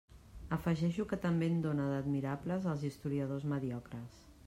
Afegeixo que també en dóna d'admirables als historiadors mediocres.